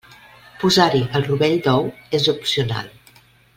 Posar-hi el rovell d'ou és opcional.